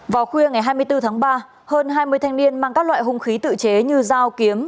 vào khuya ngày hai mươi bốn tháng ba hơn hai mươi thanh niên mang các loại hung khí tự chế như dao kiếm